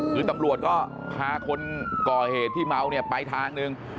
คือตำรวจก็พาคนก่อเหตุที่เมาเนี่ยไปทางหนึ่ง